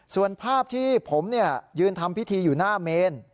ส่วนภาพที่ผมยืนทำพิธีอยู่หน้าเมน